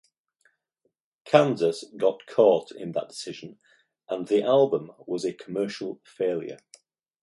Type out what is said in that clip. Kansas got caught in that decision and the album was a commercial failure.